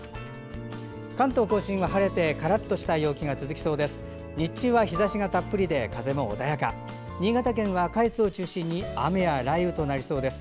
関東・甲信は晴れてカラッとした陽気が続きそうです。